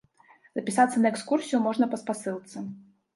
Запісацца на экскурсію можна па спасылцы.